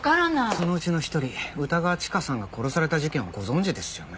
そのうちの一人歌川チカさんが殺された事件はご存じですよね？